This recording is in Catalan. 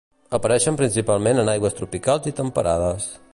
Apareixen principalment en aigües tropicals i temperades.